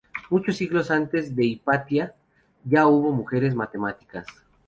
Muchos siglos antes de Hipatia ya hubo mujeres matemáticas.